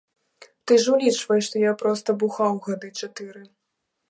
Ты ж улічвай, што я проста бухаў гады чатыры.